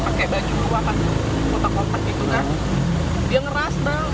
pakai baju kotak kotak gitu kan